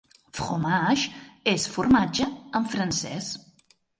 "Fromage" és "formatge" en francès.